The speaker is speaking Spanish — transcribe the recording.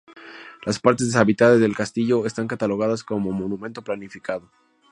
Las partes deshabitadas del castillo están catalogadas como monumento planificado.